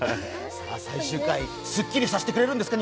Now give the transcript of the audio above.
最終回、すっきりさせてくれるんですか？